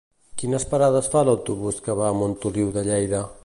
Quines parades fa l'autobús que va a Montoliu de Lleida?